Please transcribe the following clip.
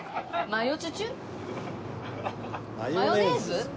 マヨネーズ！